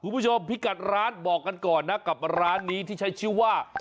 คุณผู้ชมพิกัดร้านบอกกันก่อนนะกับร้านนี้ที่ใช้ชื่อว่า